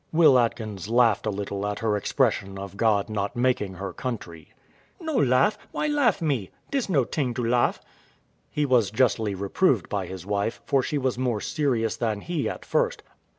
[Will Atkins laughed a little at her expression of God not making her country.] Wife. No laugh; why laugh me? This no ting to laugh. [He was justly reproved by his wife, for she was more serious than he at first.